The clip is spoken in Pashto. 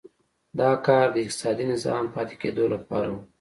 دا کار د اقتصادي نظام پاتې کېدو لپاره و.